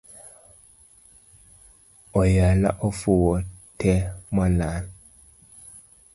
Oyala ofuyo te molal